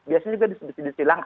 biasanya juga disubsidi silang